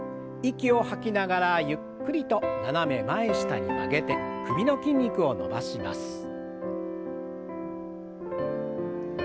息を吐きながらゆっくりと斜め前下に曲げて首の筋肉を伸ばします。